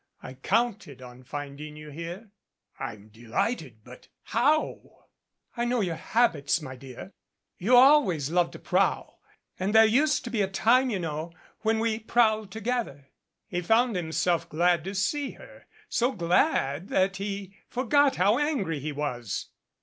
I counted on finding you here." "I'm delighted but how " "I know your habits, my dear. You always loved to prowl. And there used to be a time, you know, when we prowled together." He found himself glad to see her so glad that he for got how angry he was.